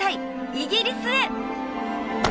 イギリスへ！